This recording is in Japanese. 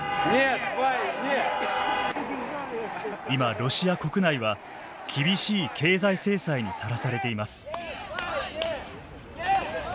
今、ロシア国内は厳しい経済制裁にさらされています。